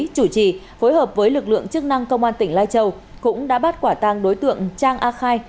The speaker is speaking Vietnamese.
chủ trì phối hợp với lực lượng chức năng công an tỉnh lai châu cũng đã bắt quả tang đối tượng trang a khai